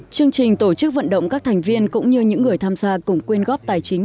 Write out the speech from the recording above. chương trình tổ chức vận động các thành viên cũng như những người tham gia cùng quyên góp tài chính